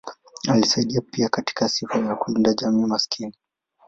Alisaidia pia katika sifa ya kulinda jamii maskini.